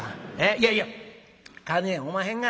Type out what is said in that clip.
いやいや金やおまへんがな。